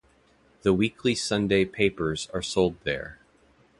The weekly Sunday papers are sold there.